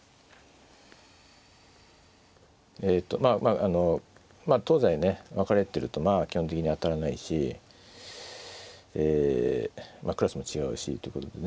えっとまああの東西ね分かれてると基本的に当たらないしええクラスも違うしということでね